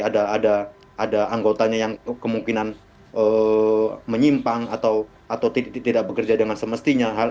ada anggotanya yang kemungkinan menyimpang atau tidak bekerja dengan semestinya